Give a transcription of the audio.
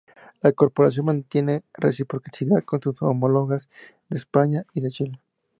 La corporación mantiene reciprocidad con sus homólogas de España y de Chile.